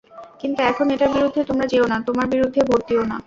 কিন্তু এখন এটার বিরুদ্ধে তোমরা যেয়ো না, তোমরা বিরুদ্ধে ভোট দিয়ো না।